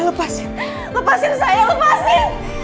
lepasin lepasin saya lepasin